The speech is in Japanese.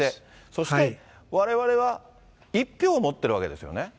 そしてわれわれは１票を持ってるわけですよね。